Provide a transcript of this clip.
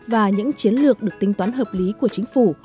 và những chiến lược được tính toán hợp lý của chính phủ